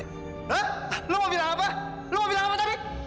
hah lo mau bilang apa lo mau bilang apa tadi